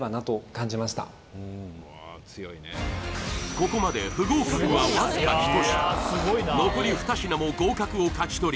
ここまで不合格はわずか一品残り２品も合格を勝ち取り